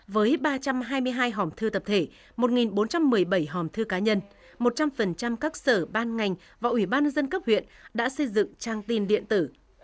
với ba trăm hai mươi hai hòm thư tập thể một bốn trăm một mươi bảy hòm thư cá nhân một trăm linh các sở ban ngành và ủy ban dân cấp huyện đã xây dựng trang tin điện tử